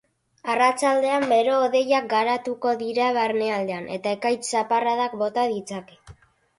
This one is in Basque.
Arratsaldean bero-hodeiak garatuko dira barnealdean eta ekaitz zaparradak bota ditzake.